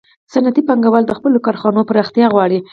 صنعتي پانګوال د خپلو کارخانو پراختیا غواړي